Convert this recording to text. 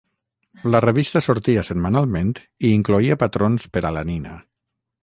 La revista sortia setmanalment i incloïa patrons per a la nina.